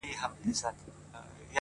دا ستا د سترگو په كتاب كي گراني ـ